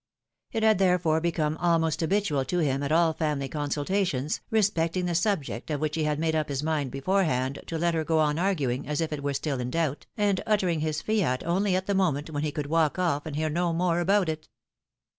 It had therefore become almost habitual to him at all family consultations, respecting the subject of which he had made up his mind before hand, to let her go on arguing as if it were still in doubt, and uttering his fiat only at the moment when he could walk off, and hear no more about it.